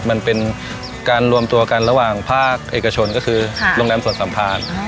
มันเป็นการรวมตัวกันระหว่างภาคเอกชนก็คือโรงแรมสวนสัมภาร